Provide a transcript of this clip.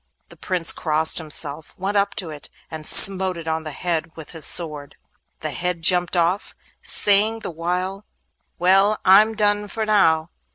The Prince crossed himself, went up to it, and smote it on the head with his sword. The head jumped off, saying the while, 'Well, I'm done for now!